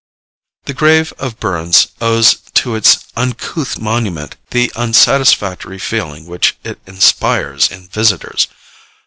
The grave of Burns owes to its uncouth monument the unsatisfactory feeling which it inspires in visitors.